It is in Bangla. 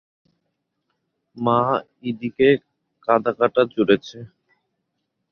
মা ইদিকে কাঁদাকাটা জুড়েছে।